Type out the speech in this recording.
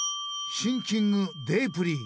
シンキングデープリー。